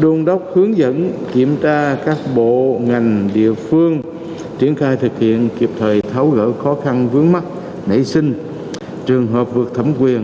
đôn đốc hướng dẫn kiểm tra các bộ ngành địa phương triển khai thực hiện kịp thời tháo gỡ khó khăn vướng mắt nảy sinh trường hợp vượt thẩm quyền